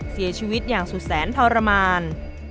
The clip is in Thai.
เสียชีวิตอย่างสุดแสนทรมาน